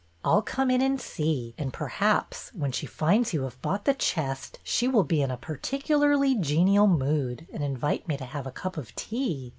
I 'll come in and see, and perhaps, when she finds you have bought the chest, she will be in a particularly genial mood, and invite me to have a cup of tea."